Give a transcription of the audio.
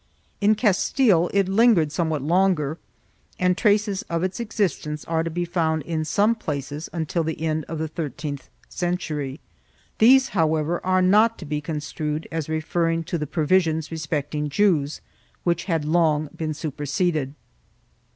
1 In Castile it lingered somewhat longer and traces of its exist ence are to be found in some places until the end of the thir teenth century.2 These, however, are not to be construed as referring to the provisions respecting Jews, which had long been superseded.